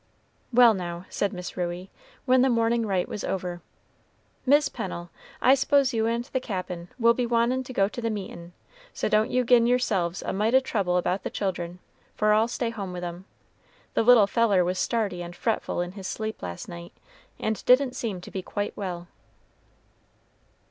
"Well, now," said Miss Ruey, when the morning rite was over, "Mis' Pennel, I s'pose you and the Cap'n will be wantin' to go to the meetin', so don't you gin yourse'ves a mite of trouble about the children, for I'll stay at home with 'em. The little feller was starty and fretful in his sleep last night, and didn't seem to be quite well."